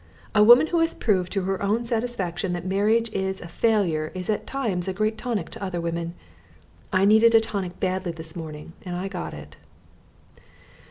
A woman who has proved to her own satisfaction that marriage is a failure is at times a great tonic to other women. I needed a tonic badly this morning and I got it.